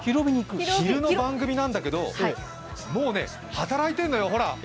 昼の番組なんだけど、もうね働いてんのよ、ほら。